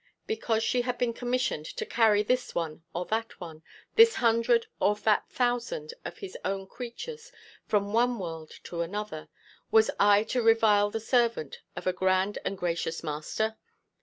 Because she had been commissioned to carry this one or that one, this hundred or that thousand of his own creatures from one world to another, was I to revile the servant of a grand and gracious Master?